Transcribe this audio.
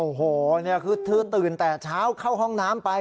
โอ้โหนี่คือเธอตื่นแต่เช้าเข้าห้องน้ำไป